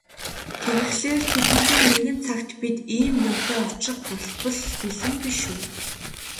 Тэгэхлээр тэдэнтэй нэгэн цагт бид ийм юмтай учрах болбол бэлэн биш үү?